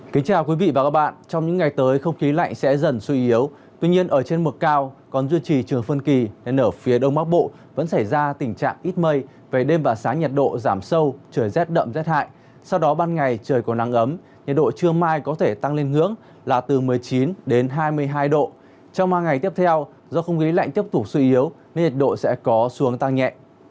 kính chào quý vị và các bạn trong những ngày tới không khí lạnh sẽ dần suy yếu tuy nhiên ở trên mực cao còn duy trì trường phân kỳ nên ở phía đông bắc bộ vẫn xảy ra tình trạng ít mây về đêm và sáng nhiệt độ giảm sâu trời rét đậm rét hại sau đó ban ngày trời còn nắng ấm nhiệt độ trưa mai có thể tăng lên hướng là từ một mươi chín đến hai mươi hai độ trong hai ngày tiếp theo do không khí lạnh tiếp tục suy yếu nên nhiệt độ sẽ có xuống tăng nhẹ